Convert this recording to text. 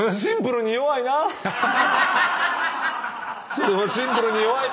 それはシンプルに弱い！